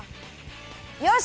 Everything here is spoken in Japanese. よし！